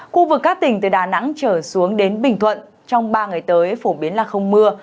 khu vực các tỉnh từ đà nẵng trở xuống đến bình thuận trong ba ngày tới phổ biến là không mưa